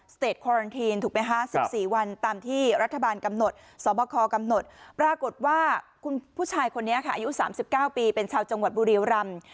เตจคอรันทีนถูกไหมคะ๑๔วันตามที่รัฐบาลกำหนดสบคกำหนดปรากฏว่าคุณผู้ชายคนนี้ค่ะอายุ๓๙ปีเป็นชาวจังหวัดบุรีรำ